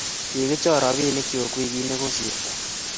kikichor robinikchu wikit ne kosirto